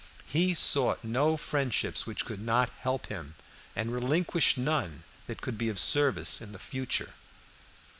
He sought no friendships which could not help him, and relinquished none that could be of service in the future.